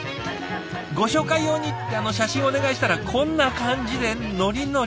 「ご紹介用に」って写真をお願いしたらこんな感じでノリノリ。